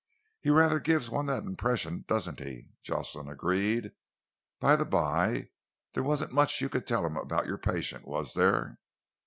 "He rather gives one that impression, doesn't he?" Jocelyn agreed. "By the by, there wasn't much you could tell him about your patient, was there?"